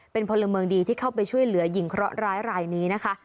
เป็นพลเมืองดีที่เข้าไปช่วยเหลือหญิงเคราะหร้ายรายนี้นะคะ